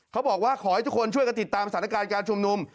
ขอให้ทุกคนช่วยกันติดตามสถานการณ์การชุมนุม